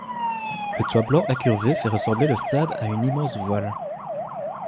Le toit blanc incurvé fait ressembler le stade à une immense voile.